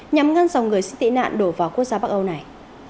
nhằm ngăn dòng người xin tị nạn đổ vào quốc gia bắc âu này